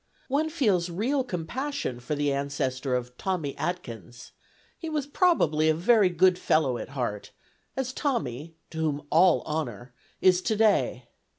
One feels real compassion for the ancestor of "Tommy Atkins": he was probably a very good fellow at heart, as Tommy (to whom all honor!) is today.